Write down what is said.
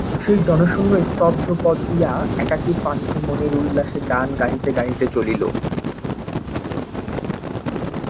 সেই জনশূন্য স্তব্ধ পথ দিয়া একাকী পান্থ মনের উল্লাসে গান গাহিতে গাহিতে চলিল।